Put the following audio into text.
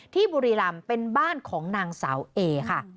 บุรีรำเป็นบ้านของนางสาวเอค่ะ